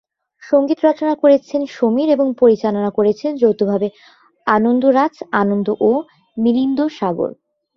সঙ্গীত রচনা করেছেন সমীর এবং পরিচালনা করেছেন যৌথভাবে আনন্দ রাজ আনন্দ ও মিলিন্দ সাগর।